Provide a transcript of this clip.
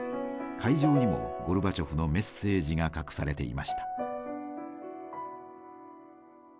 会場にもゴルバチョフのメッセージが隠されていました。